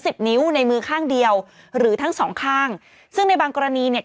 นิ้วในมือข้างเดียวหรือทั้งสองข้างซึ่งในบางกรณีเนี่ย